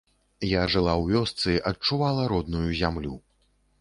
Я жыла ў вёсцы, адчувала родную зямлю.